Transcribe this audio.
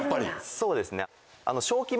そうですね。